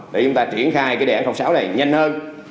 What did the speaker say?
để chúng ta triển khai cái đề án sáu này nhanh hơn